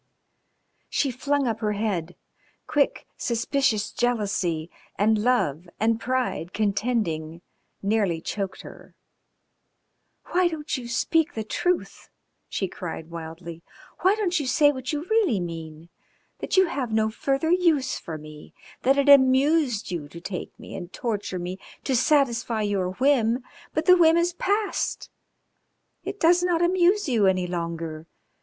She flung up her head. Quick, suspicious jealousy and love and pride contending nearly choked her. "Why don't you speak the truth?" she cried wildly. "Why don't you say what you really mean? that you have no further use for me, that it amused you to take me and torture me to satisfy your whim, but the whim is passed. It does not amuse you any longer.